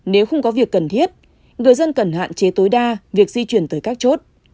nếu không có việc cần thiết người dân cần hạn chế tối đa việc di chuyển tới các chốt